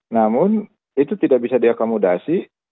namun itu tidak bisa diakomodasi